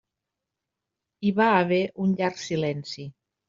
Hi va haver un llarg silenci.